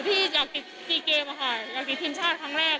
ที่อยากติดซีเกมอะค่ะอยากติดทีมชาติครั้งแรก